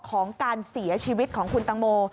ของการเสียชีวิตของคุณตังโม